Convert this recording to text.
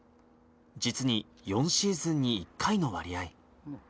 実に４シーズンに１回の割合。